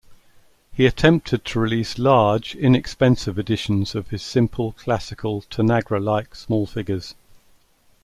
He attempted to release large, inexpensive editions of his simple, classical, Tanagra-like small figures.